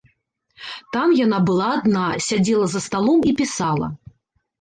Там яна была адна, сядзела за сталом і пісала.